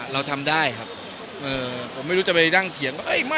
เราทำได้ผมไม่รู้ว่าจะไปดั้งเถียง